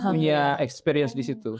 punya experience di situ